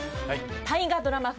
大河ドラマ